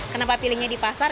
kenapa pilihnya di pasar